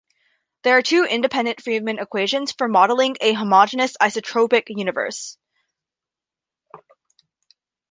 There are two independent Friedmann equations for modeling a homogeneous, isotropic universe.